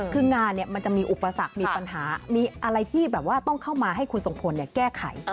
คืองานมันจะมีอุปสรรคมีปัญหามีอะไรที่แบบว่าต้องเข้ามาให้คุณทรงพลแก้ไข